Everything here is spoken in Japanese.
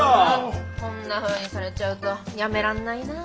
こんなふうにされちゃうとやめらんないな。